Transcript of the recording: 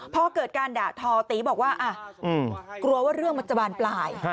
พอเกิดการด่าทอตีบอกว่ากลัวว่าเรื่องมันจะบานปลาย